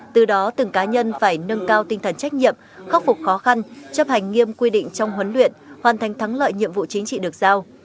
từ đó từng cá nhân phải nâng cao tinh thần trách nhiệm khắc phục khó khăn chấp hành nghiêm quy định trong huấn luyện hoàn thành thắng lợi nhiệm vụ chính trị được giao